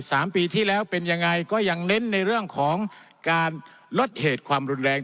สามปีที่แล้วเป็นยังไงก็ยังเน้นในเรื่องของการลดเหตุความรุนแรง